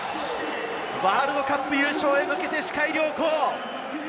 ワールドカップ優勝へ向けて視界良好。